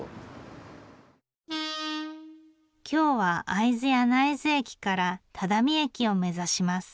今日は会津柳津駅から只見駅を目指します。